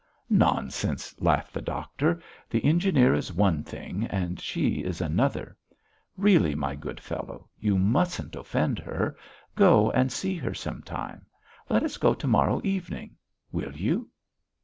"Nonsense!" laughed the doctor. "The engineer is one thing and she is another. Really, my good fellow, you mustn't offend her. Go and see her some time. Let us go to morrow evening. Will you?"